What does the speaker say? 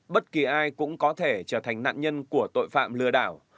bất kỳ ai cũng có thể trở thành nạn nhân của tội phạm lừa đảo